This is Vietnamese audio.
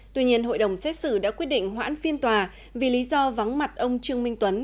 tuy nhiên hội đồng xét xử đã quyết định hoãn phiên tòa vì lý do vắng mặt ông trương minh tuấn